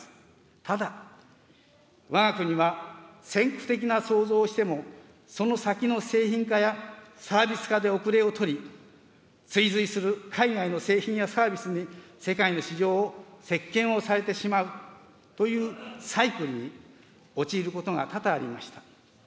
ただ、わが国は先駆的な創造をしても、その先の製品化やサービス化で後れを取り、追随する海外の製品やサービスに、世界の市場を席けんをされてしまうというサイクルに陥ることが多々ありました。